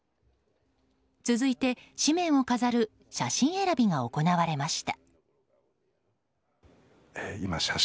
続いて紙面を飾る写真選びが行われました。